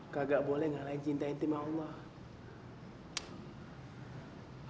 tidak boleh kalahkan cinta itu sama allah